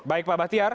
baik pak bastiak